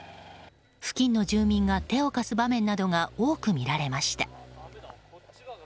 付近の住民が手を貸す場面などが多く見られました。